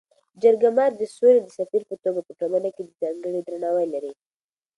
جرګه مار د سولي د سفیر په توګه په ټولنه کي ځانګړی درناوی لري.